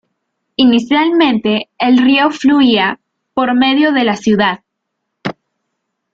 Inicialmente, el río fluía por medio de la ciudad.